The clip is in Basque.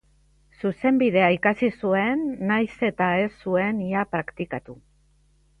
Zuzenbidea ikasi zuen nahiz eta ez zuen ia praktikatu.